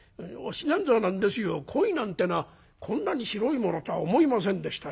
コイなんてのはこんなに白いものとは思いませんでしたよ。